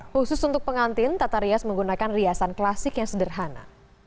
khusus untuk pengantin tata rias menggunakan riasan klasik yang sederhana